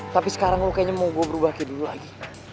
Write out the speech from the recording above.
tapi sekarang lo kayaknya mau gue berubah kayak dulu lagi